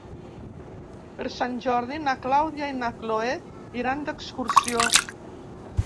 Per Sant Jordi na Clàudia i na Cloè iran d'excursió.